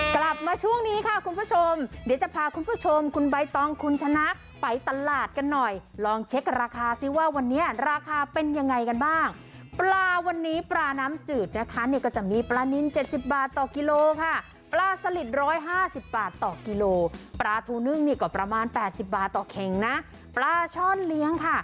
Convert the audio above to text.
กลับมาช่วงนี้ค่ะคุณผู้ชมเดี๋ยวจะพาคุณผู้ชมคุณใบตองคุณชนะไปตลาดกันหน่อยลองเช็คราคาซิว่าวันนี้ราคาเป็นยังไงกันบ้างปลาวันนี้ปลาน้ำจืดนะคะนี่ก็จะมีปลานิน๗๐บาทต่อกิโลค่ะปลาสลิด๑๕๐บาทต่อกิโลปลาทูนึ่งนี่ก็ประมาณ๘๐บาทต่อเข่งนะปลาช่อนเลี้ยงค่ะ